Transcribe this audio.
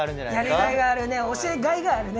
やりがいがあるね。